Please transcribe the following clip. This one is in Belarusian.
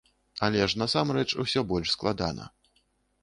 Але ж насамрэч усё больш складана.